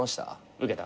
受けた。